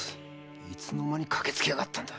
いつのまに駆けつけやがったんだ。